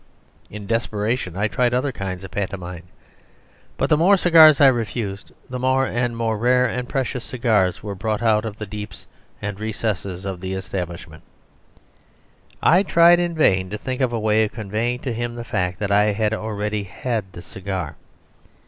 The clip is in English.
In desperation I tried other kinds of pantomime, but the more cigars I refused the more and more rare and precious cigars were brought out of the deeps and recesses of the establishment. I tried in vain to think of a way of conveying to him the fact that I had already had the cigar.